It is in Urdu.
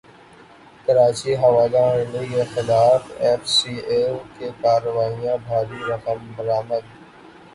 کراچی حوالہ ہنڈی کیخلاف ایف ائی اے کی کارروائیاں بھاری رقوم برامد